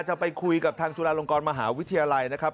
จะไปคุยกับทางจุฬาลงกรมหาวิทยาลัยนะครับ